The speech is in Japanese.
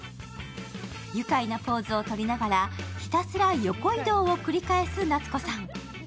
愉快なポーズを取りながらひたすら横移動を繰り返す夏子さん。